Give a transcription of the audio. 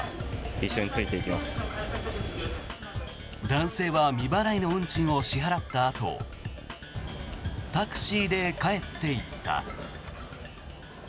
男性は未払いの運賃を支払ったあとタクシーで帰っていった。